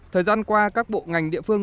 thời gian qua các bộ ngành địa phương